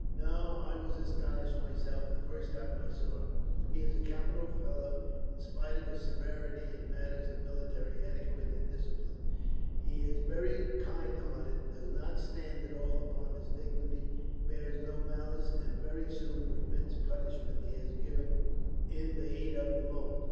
"No; I was astonished myself, the first time I saw him. He is a capital fellow, in spite of his severity in matters of military etiquette and discipline. He is very kind hearted, does not stand at all upon his dignity, bears no malice, and very soon remits punishment he has given in the heat of the moment.